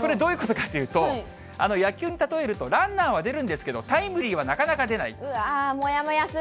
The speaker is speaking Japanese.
これ、どういうことかというと、野球に例えるとランナーは出るんですけど、タイムリーはなかなかうわぁ、もやもやする。